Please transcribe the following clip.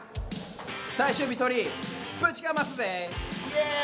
最終日トリぶちかますぜ！イェイ！